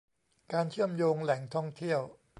การเชื่อมโยงแหล่งท่องเที่ยว